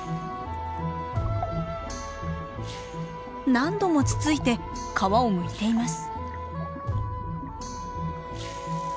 何度もつついて皮をむいています。